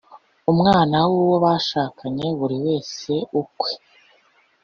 umwana w uwo bashakanye buri wese ukwe